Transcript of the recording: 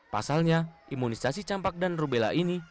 pasalnya imunisasi campak dan rubella ini